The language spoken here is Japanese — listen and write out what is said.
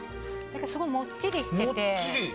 すごいもっちりしてて。